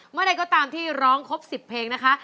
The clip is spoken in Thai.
เมื่อใดก็ตามที่ร้องครบ๑๐เพลงนะคะ